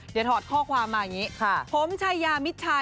เดี๋ยวถอดข้อความมาอย่างนี้ค่ะ